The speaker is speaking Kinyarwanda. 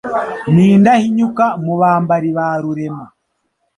N' indahinyuka mu bambari ba Rurema;